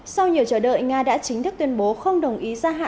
sau nhiều chờ đợi nga đã chính thức tuyên bố không đồng ý gia hạn sản xuất